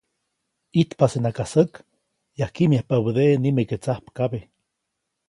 ʼIjtpasenaka säk, yajkkiʼmyajpabädeʼe nimeke tsajpkabe.